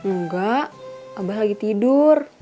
enggak abah lagi tidur